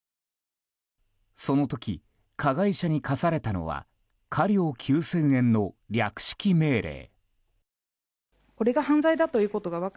その時、加害者に科されたのは科料９０００円の略式命令。